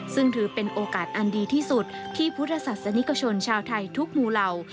ซึ่งถือเป็นโอกาสอันดีที่สุดที่พุทธศาสนิกชนชาวไทยทุกหมู่เหล่า